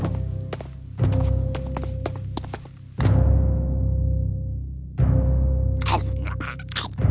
tidak ada yang bisa diberi makanan